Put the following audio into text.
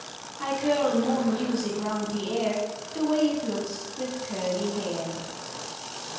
I curl more music round the Air, The way it looks with Curly Hair.